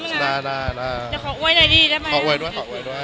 พี่แอลล์ก็ไม่รู้เคยเป็นใครค่ะ